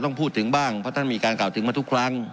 ต้องพูดถึงบ้างเพราะท่านมีการกล่าวถึงมาทุกครั้ง